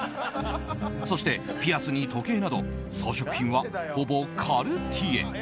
そして、ピアスに時計など装飾品はほぼカルティエ。